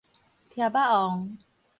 疊仔王